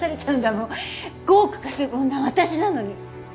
５億稼ぐ女は私なのに。